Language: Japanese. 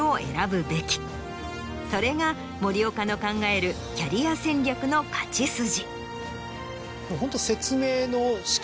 それが森岡の考えるキャリア戦略の勝ち筋。